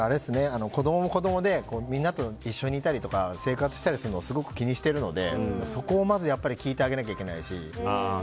子供も子供でみんなと一緒にいたりとか生活したりするのすごく気にしてるのでそこをまず聞いてあげなきゃいけないし。